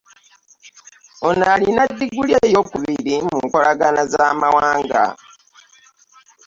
Ono alina ddiguli eyookubiri mu nkolagana z'amawanga